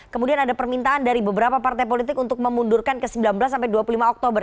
kemudian ada permintaan dari beberapa partai politik untuk memundurkan ke sembilan belas sampai dua puluh lima oktober